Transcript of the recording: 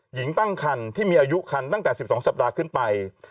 หญิงตั้งคันที่มีอายุคันตั้งแต่๑๒สัปดาห์ขึ้นไป